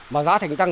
và giá thành tăng